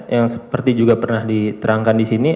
yang seperti juga pernah diterangkan di sini